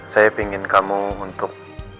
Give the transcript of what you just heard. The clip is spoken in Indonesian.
saya ingin kamu untuk